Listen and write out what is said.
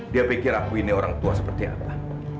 dia pikir aku ini orang tua seperti apa